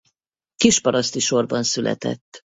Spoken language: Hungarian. Kisparaszti sorban született.